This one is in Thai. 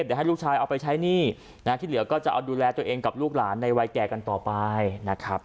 เดี๋ยวให้ลูกชายเอาไปใช้หนี้นะที่เหลือก็จะเอาดูแลตัวเองกับลูกหลานในวัยแก่กันต่อไปนะครับ